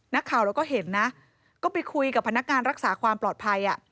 นักข่าวเราก็เห็นนะก็ไปคุยกับพนักงานรักษาความปลอดภัย